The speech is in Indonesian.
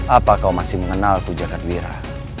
apa kau masih mengenalku jagadwira